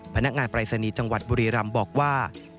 พนักงานปรายศนีย์จังหวัดบุรีรำบอกว่า